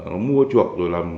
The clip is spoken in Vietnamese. nó mua chuộc